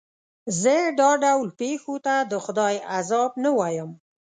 زه دا ډول پېښو ته د خدای عذاب نه وایم.